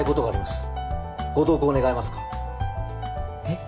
えっ？